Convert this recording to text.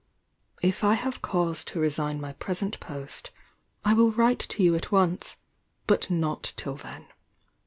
If I have cause to resign my present post, I will write to you at once; but not till then.